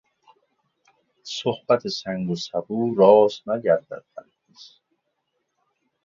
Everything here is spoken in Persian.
صحبت سنگ و سبو راست نگردد هرگز.